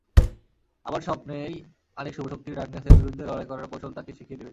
আবার স্বপ্নেই আরেক শুভশক্তি ডার্কনেসের বিরুদ্ধে লড়াই করার কৌশল তাঁকে শিখিয়ে দেবে।